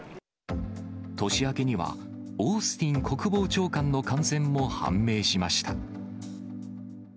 年明けには、オースティン国防長官の感染も判明しました。